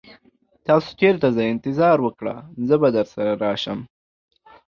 تاسو چیرته ځئ؟ انتظار وکړه، زه به درسره راشم.